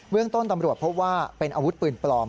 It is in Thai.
เรื่องต้นตำรวจพบว่าเป็นอาวุธปืนปลอม